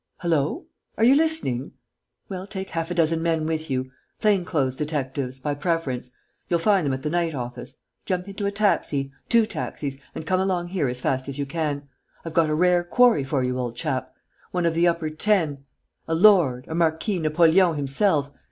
Hullo!... Are you listening?... Well, take half a dozen men with you ... plain clothes detectives, by preference: you'll find them at the night office.... Jump into a taxi, two taxis, and come along here as fast as you can.... I've got a rare quarry for you, old chap. One of the upper ten ... a lord, a marquis Napoleon himself